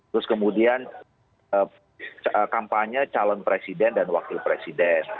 terus kemudian kampanye calon presiden dan wakil presiden